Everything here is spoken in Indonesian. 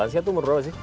lansia itu berapa sih